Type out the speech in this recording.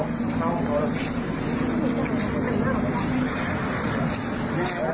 ค่าห้องเที่ยว